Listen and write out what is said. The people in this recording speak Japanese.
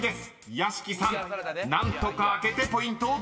［屋敷さん何とか開けてポイントを取りたい］